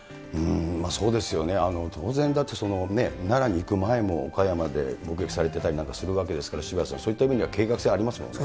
そうですよね、当然だってその、ねっ、奈良に行く前も、岡山で目撃されてたりなんかするわけですから、渋谷さん、そういった意味では計画性ありますもんね。